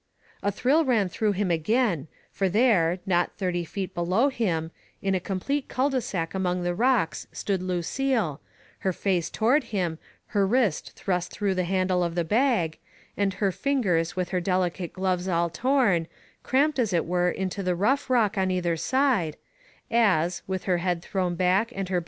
A thrill ran through him again for there, not thirty feet below him, in a complete cul de sac among the rocks stood Lucille, her face toward him, her wrist thrust through the handle of the bag, and her fingers with her delicate gloves all torn, cramped as it were into the rough rock on either side, as, with her head thrown back and her Digitized by Google 234 THE FA TE OF FENELLA.